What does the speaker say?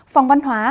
phòng văn hóa